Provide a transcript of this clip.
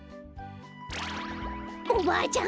おばあちゃん！